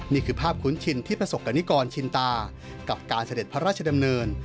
นี่คือภาพคุ้นชินที่ประสบกรณิกรชินตากับการเสด็จพระราชดำเนิน